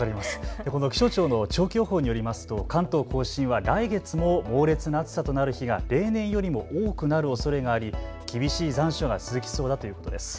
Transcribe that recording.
気象庁の長期予報によりますと関東甲信は来月も猛烈な暑さとなる日が例年よりも多くなるおそれがあり厳しい残暑が続きそうだということです。